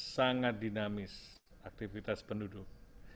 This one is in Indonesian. sangat dinamis aktivitas penduduk